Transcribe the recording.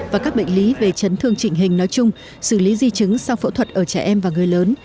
và các bệnh lý về chấn thương trình hình nói chung xử lý di chứng sau phẫu thuật ở trẻ em và người lớn